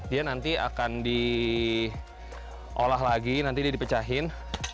dia nanti akan diolah lagi nanti dia dipecahin